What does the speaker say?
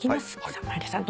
前田さん